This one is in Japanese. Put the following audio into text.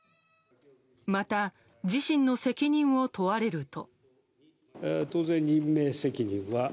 また、自身の責任を問われると。